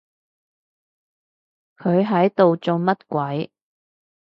佢喺度做乜鬼？